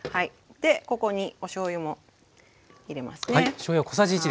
でここにおしょうゆも入れますね。